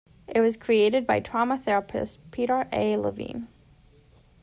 It was created by trauma therapist Peter A. Levine.